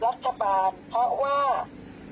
แถวว่าเขาไปตรวจเอกชนแต่ใครอยากเสียตังค่ะ